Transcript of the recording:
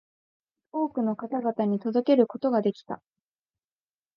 多くの方々に届けることができた